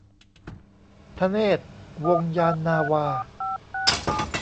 ธเนศ วงศ์ยานนาวา